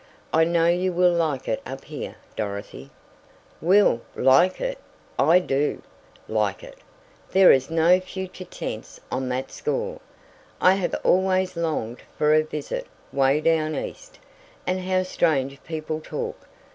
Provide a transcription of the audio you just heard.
I know you will like it up here, Dorothy." "Will like it! I do like it! There is no future tense on that score. I have always longed for a visit 'way down east.' And how strange people talk!